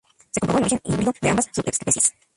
Se comprobó el origen híbrido de ambas subespecies.